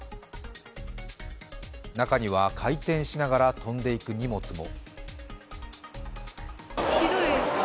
中には回転しながら飛んでいく荷物も。